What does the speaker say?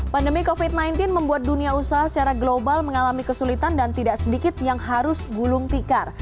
pandemi covid sembilan belas membuat dunia usaha secara global mengalami kesulitan dan tidak sedikit yang harus gulung tikar